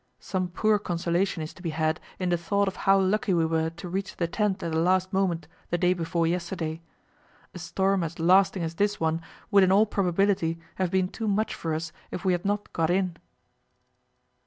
Some poor consolation is to be had in the thought of how lucky we were to reach the tent at the last moment the day before yesterday. A storm as lasting as this one would in all probability have been too much for us if we had not got in.